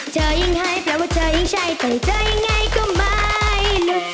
เธอยังไห้แปลว่าเธอยังใช่แต่เธอยังไงก็ไม่